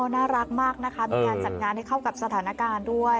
น่ารักมากนะคะมีการจัดงานให้เข้ากับสถานการณ์ด้วย